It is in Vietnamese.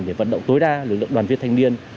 để vận động tối đa lực lượng đoàn viên thanh niên